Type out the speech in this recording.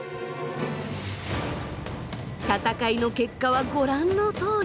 戦いの結果はご覧のとおり。